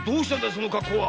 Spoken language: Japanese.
その格好は！？